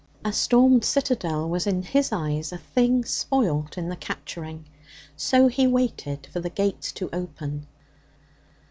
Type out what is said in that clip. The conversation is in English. A stormed citadel was in his eyes a thing spoilt in the capturing. So he waited for the gates to open.